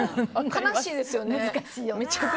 悲しいですよね。